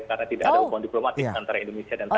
karena tidak ada hubungan diplomatik antara indonesia dan taiwan